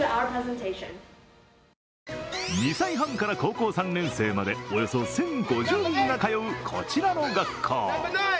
２歳半から高校３年生までおよそ１０５０人が通うこちらの学校。